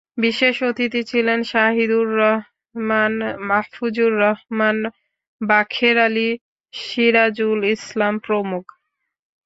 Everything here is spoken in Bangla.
বিশেষ অতিথি ছিলেন শাহীদুর রহমান, মাহফুজুর রহমান, বাখের আলী, সিরাজুল ইসলাম প্রমুখ।